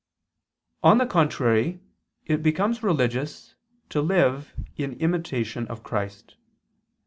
On the contrary, It becomes religious to live in imitation of Christ.